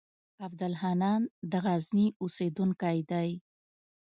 عبدالحنان د غزني اوسېدونکی دی.